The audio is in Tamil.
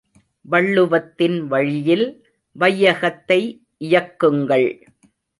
வள்ளுவத்தின் வழியில் வையகத்தை இயக்குங்கள்!